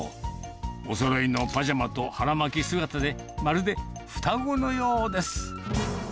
おそろいのパジャマと腹巻き姿で、まるで双子のようです。